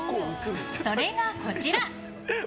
それがこちら。